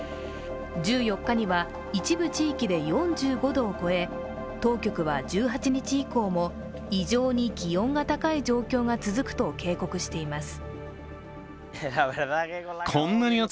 １４日には一部地域で４５度を超え、当局は１８日以降も異常に気温が高い状況が続くと警告しています。